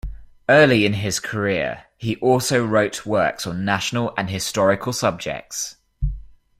Early in his career he also wrote works on national and historical subjects.